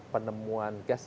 penemuan gas juga